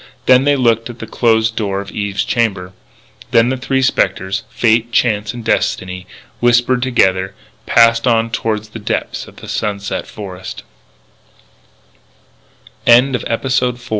Then they looked at the closed door of Eve's chamber. Then the three spectres, Fate, Chance and Destiny, whispering together, passed on toward the depths of the sunset f